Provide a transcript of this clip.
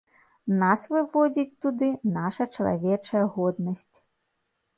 Нас выводзіць туды наша чалавечая годнасць.